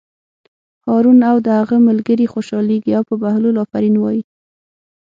هارون او د هغه ملګري خوشحالېږي او په بهلول آفرین وایي.